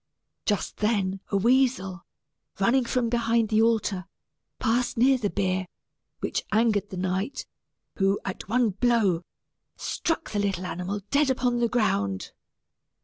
Just then a weasel, running from behind the altar, passed near the bier, which angered the knight, who, at one blow, struck the little animal dead upon the ground.